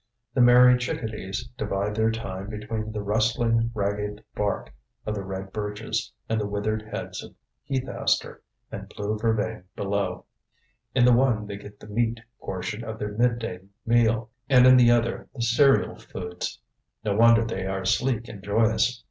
The merry chickadees divide their time between the rustling, ragged bark of the red birches and the withered heads of heath aster and blue vervain below. In the one they get the meat portion of their midday meal, and in the other the cereal foods. No wonder they are sleek and joyous.